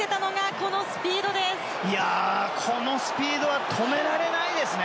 このスピードは止められないですね。